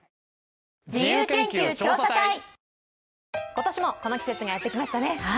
今年もこの季節がやってきましたね。